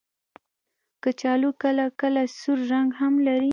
کچالو کله کله سور رنګ هم لري